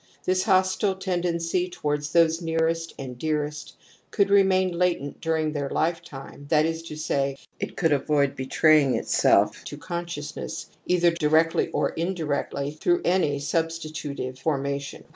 This hostile tendency towards those nearest and dearest could remain latent during their lifetime, that is to say, it could avoid betraying itself to consciousness either directly or indirectly through any substitutive formation.